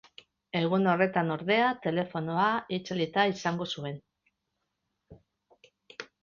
Egun horretan, ordea, telefonoa itzalita izango zuen.